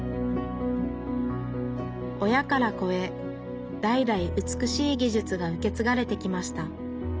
親から子へ代々美しい技術が受け継がれてきました。